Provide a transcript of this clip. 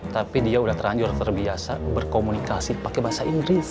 tapi dia udah teranjur terbiasa berkomunikasi pakai bahasa inggris